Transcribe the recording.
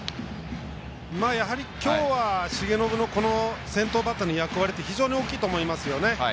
きょうは重信の先頭バッターの役割は非常に大きいと思いますね。